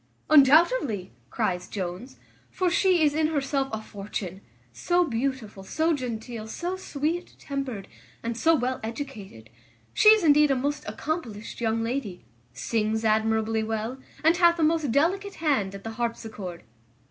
"Undoubtedly," cries Jones, "for she is in herself a fortune; so beautiful, so genteel, so sweet tempered, and so well educated; she is indeed a most accomplished young lady; sings admirably well, and hath a most delicate hand at the harpsichord."